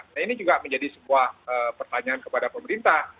nah ini juga menjadi sebuah pertanyaan kepada pemerintah